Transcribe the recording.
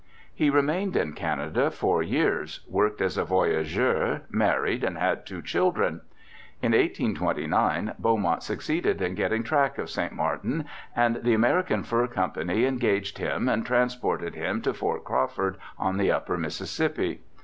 He remained in Canada four years worked as a voyageur, married and had two children In 1829 Beaumont succeeded in getting track of St Martin, and the American Fur Company engaged him and transported him to Fort Crawford on the upper Mississippi.